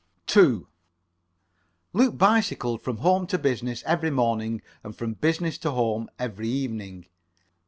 2 Luke bicycled from home to business every morning, and from business to home every evening.